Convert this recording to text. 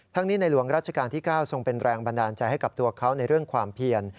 นี้ในหลวงราชการที่๙ทรงเป็นแรงบันดาลใจให้กับตัวเขาในเรื่องความเพียร